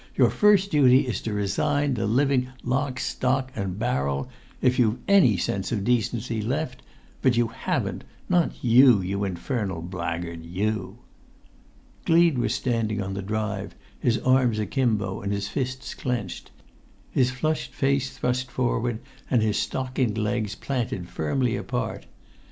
Your first duty is to resign the living lock stock and barrel—if you've any sense of decency left; but you haven't—not you, you infernal blackguard, you!" Gleed was standing on the drive, his arms akimbo and his fists clenched, his flushed face thrust forward and his stockinged legs planted firmly apart.